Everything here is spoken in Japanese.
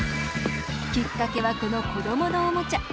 きっかけはこの子どものオモチャ。